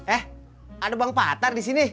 eh ada bang patar di sini